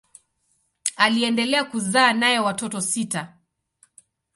Aliendelea kuzaa naye watoto sita.